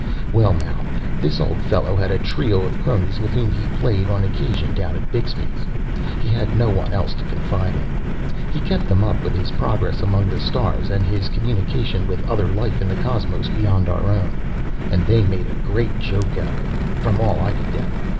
"Well, now, this old fellow had a trio of cronies with whom he played on occasion down at Bixby's. He had no one else to confide in. He kept them up with his progress among the stars and his communication with other life in the cosmos beyond our own, and they made a great joke out of it, from all I could gather.